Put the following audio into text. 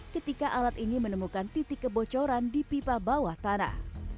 ketika alat ini menemukan titik kebocoran di pipa bawah tanah